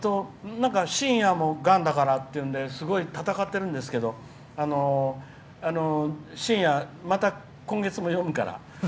しんやもがんだからっていうのですごい闘ってるんですけどしんや、また、今月も読むから。